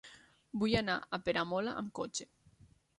Vull anar a Peramola amb cotxe.